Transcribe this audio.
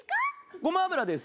ごま油です。